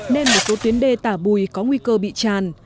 nên một số tuyến đê tả bùi có nguy cơ bị tràn